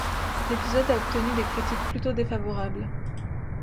L'épisode a obtenu des critiques plutôt défavorables.